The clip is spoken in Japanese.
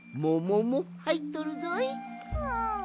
うん。